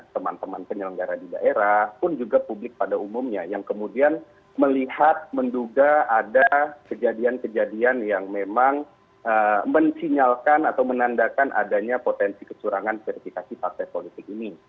teman teman penyelenggara di daerah pun juga publik pada umumnya yang kemudian melihat menduga ada kejadian kejadian yang memang mensinyalkan atau menandakan adanya potensi kecurangan verifikasi partai politik ini